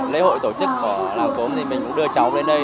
lễ hội tổ chức làm cốm thì mình cũng đưa cháu đến đây